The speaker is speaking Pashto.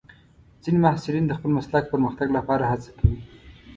ځینې محصلین د خپل مسلک پرمختګ لپاره هڅه کوي.